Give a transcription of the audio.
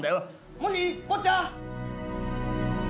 もしぃ坊ちゃん！」。